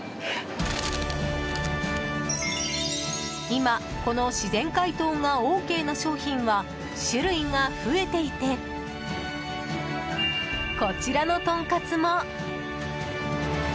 今、この自然解凍がＯＫな商品は種類が増えていてこちらのとんかつも。